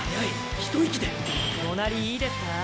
一息で隣いいですか？